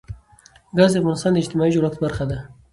ګاز د افغانستان د اجتماعي جوړښت برخه ده.